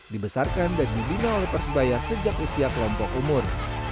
dibesarkan dan dibina oleh persebaya sejak usia kelompok umur